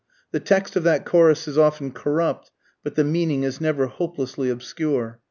The text of that chorus is often corrupt, but the meaning is never hopelessly obscure.